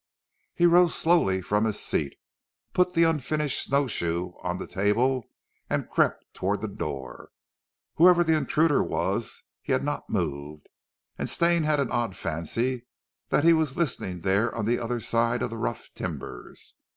He rose slowly from his seat, put the unfinished snow shoe on the table, and crept towards the door. Whoever the intruder was he had not moved, and Stane had an odd fancy that he was listening there on the other side of the rough timbers.